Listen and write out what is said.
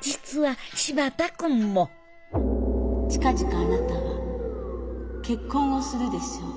実は柴田君も近々あなたは結婚をするでしょう。